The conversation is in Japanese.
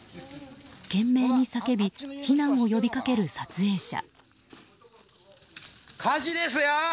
懸命に叫び避難を呼びかける撮影者。